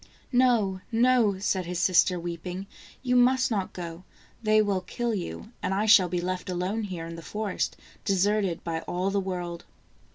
"No, no," said his sister weeping; "you must not go. They will kill you, and I shall be left alone here in the forest, deserted by all the world."